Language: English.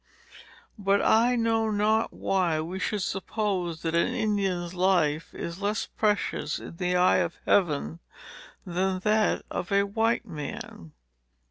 But I know not why we should suppose that an Indian's life is less precious, in the eye of Heaven, than that of a white man.